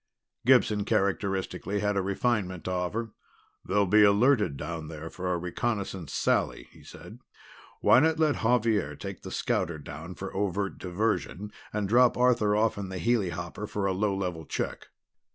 Gibson, characteristically, had a refinement to offer. "They'll be alerted down there for a reconnaissance sally," he said. "Why not let Xavier take the scouter down for overt diversion, and drop Arthur off in the helihopper for a low level check?"